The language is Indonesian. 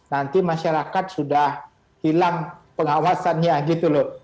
nanti masyarakat sudah hilang pengawasannya gitu loh